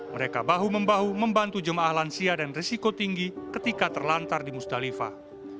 mereka bahu membahu membantu jemaah lansia dan risiko tinggi ketika terlantar di musdalifah